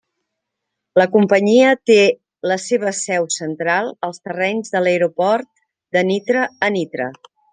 La companyia té la seva seu central als terrenys de l'aeroport de Nitra a Nitra.